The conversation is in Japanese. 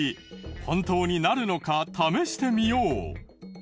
本当になるのか試してみよう。